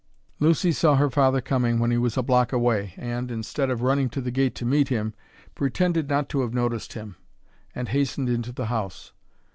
Lucy saw her father coming when he was a block away and, instead of running to the gate to meet him, pretended not to have noticed him, and hastened into the house.